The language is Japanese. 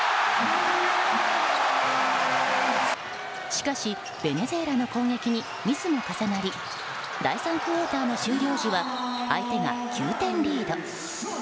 しかし、ベネズエラの攻撃にミスも重なり第３クオーターの終了時は相手が９点リード。